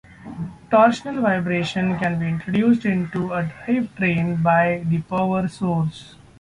Torsional vibration can be introduced into a drive train by the power source.